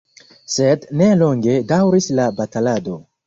Sed ne longe daŭris la batalado.